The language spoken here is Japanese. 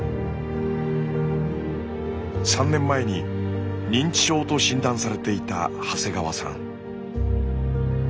３年前に認知症と診断されていた長谷川さん。